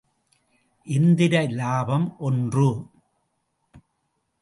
எந்திர இலாபம் ஒன்று.